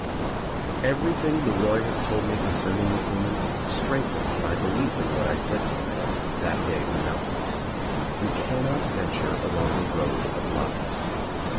Everything LeRoy has told me concerning this woman strengthens my belief in what I said to the man that day In the mountains. You cannot venture along the road of lives.